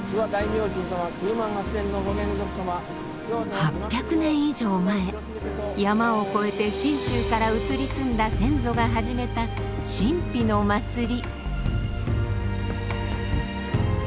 ８００年以上前山を越えて信州から移り住んだ先祖が始めた神秘の祭り。